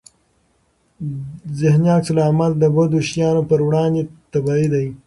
ذهني عکس العمل د بدو شیانو پر وړاندې طبيعي دی.